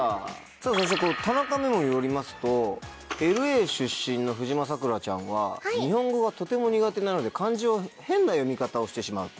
そして田中メモによりますとＬＡ出身の藤間桜ちゃんは日本語がとても苦手なので漢字を変な読み方をしてしまう。